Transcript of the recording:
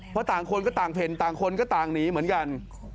เพราะต่างคนก็ต่างเพ่นต่างคนก็ต่างหนีเหมือนกัน